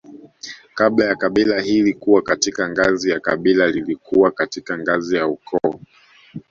Kabla ya kabila hili kuwa katika ngazi ya kabila lilikuwa katika ngazi ya ukoo